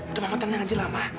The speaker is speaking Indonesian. udah mama tenang aja lah ma